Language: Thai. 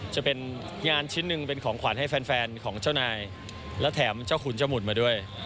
จะเป็นงานชิ้นหนึ่งเป็นของขวัญให้แฟนของเจ้านายและแถมเจ้าขุนเจ้าหุ่นมาด้วย